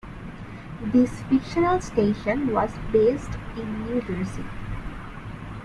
This fictional station was based in New Jersey.